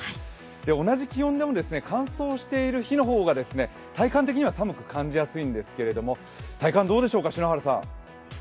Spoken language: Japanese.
同じ気温でも乾燥している日の方が体感的には寒く感じやすいんですけれども、体感いかがでしょうか。